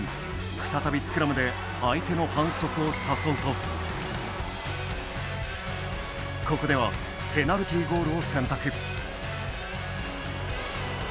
再びスクラムで相手の反則を誘うとここではペナルティーゴールを選択。